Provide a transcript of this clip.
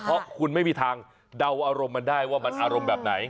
เพราะคุณไม่มีทางเดาอารมณ์มันได้ว่ามันอารมณ์แบบไหน